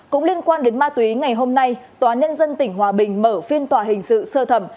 cũng liên quan đến ma túy ngày hôm nay tòa nhân dân tỉnh hòa bình mở phiên tòa hình sự sơ thẩm